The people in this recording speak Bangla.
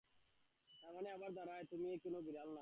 তারমানে আবার দাঁড়ায়, তুমি কোন বিড়াল না।